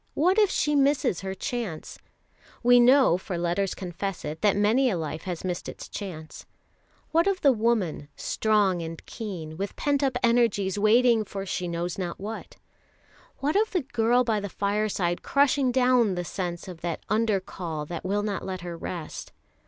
What if she misses her chance? We know, for letters confess it, that many a life has missed its chance. What of the woman, strong and keen, with pent up energies waiting for she knows not what? What of the girl by the fireside crushing down the sense of an Under call that will not let her rest?